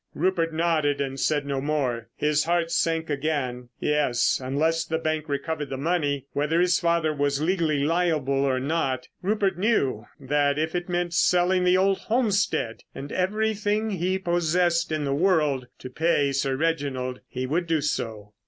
Rupert nodded and said no more. His heart sank again. Yes, unless the bank recovered the money, whether his father was legally liable or not, Rupert knew that if it meant selling the old homestead and everything he possessed in the world to pay Sir Reginald, he would do so.